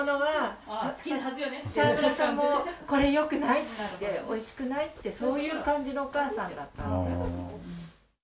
沢村さんも「これよくない？」って「おいしくない？」ってそういう感じのおかあさんだったんで。